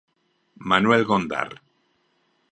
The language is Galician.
Manuel Gondar.